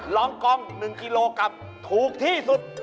รองกอง๑กิโลกรัมถูกที่สุด